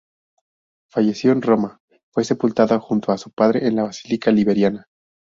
Fallecido en Roma, fue sepultado junto a su padre en la Basílica Liberiana.